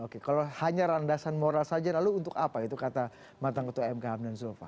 oke kalau hanya landasan moral saja lalu untuk apa itu kata mantan ketua mk hamdan zulfa